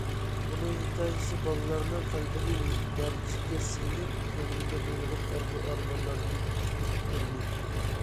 ئۇنىڭ ھېكايىسى بالىلارنىڭ قەلبىنى لەرزىگە سېلىپ، كۆڭلىگە نۇرغۇن ئارزۇ- ئارمانلارنى پۈكتۈردى.